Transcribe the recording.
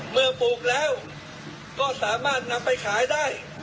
ปลูกแล้วก็สามารถนำไปขายได้